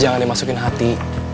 jangan dimasukin hati